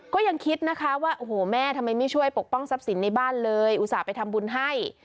ก็ยังคิดนะคะว่าโอ้โหแม่ทำไมไม่ช่วยปกป้องทรัพย์สินในบ้านเลยอุตส่าห์ไปทำบุญให้